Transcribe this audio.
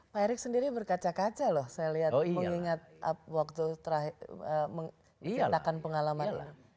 pak erick sendiri berkaca kaca loh saya lihat mengingat waktu terakhir menciptakan pengalaman